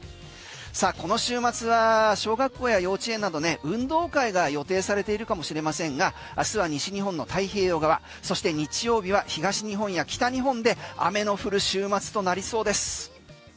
さあ、この週末は小学校や幼稚園など運動会が予定されているかもしれませんが明日は西日本の太平洋側そして日曜日は東日本や北日本で雨の降る週末となりそうです。